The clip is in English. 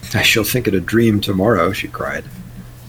‘I shall think it a dream tomorrow!’ she cried.